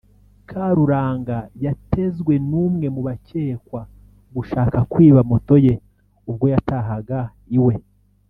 Karuranga yatezwe n’umwe mu bakekwa gushaka kwiba moto ye ubwo yatahaga iwe